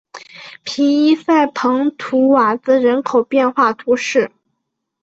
皮伊塞蓬图瓦兹人口变化图示